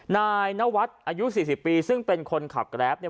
นายนวัฒน์อายุ๔๐ปีซึ่งเป็นคนขับกราฟ